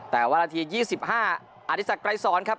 แต่ว่านาที๒๕อธิสักไกรสอนครับ